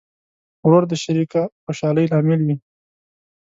ورور د شریکه خوشحالۍ لامل وي.